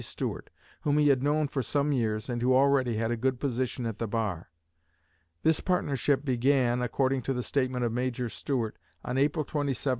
Stuart, whom he had known for some years and who already had a good position at the bar. This partnership began, according to the statement of Major Stuart, on April 27, 1837.